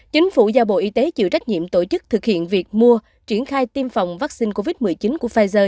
chính phủ giao bộ y tế chịu trách nhiệm tổ chức thực hiện việc mua triển khai tiêm phòng vaccine covid một mươi chín của pfizer